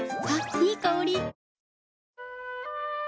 いい香り。